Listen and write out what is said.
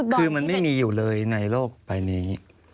คือมันไม่มีอยู่เลยในโลกใบนี้